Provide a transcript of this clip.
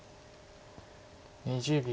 ２０秒。